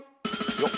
よっ。